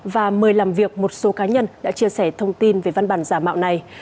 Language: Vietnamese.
và mời làm việc một số cá nhân đã chia sẻ thông tin về văn bản giả mạo này